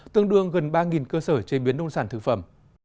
tương đương gần ba cơ sở chế biến nông sản thực phẩm